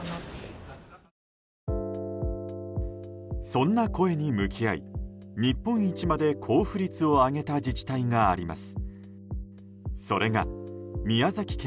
そん声に向き合い日本一まで交付率を上げた自治体があります。